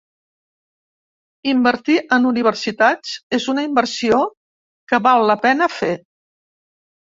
“Invertir en universitats és una inversió que val la pena fer”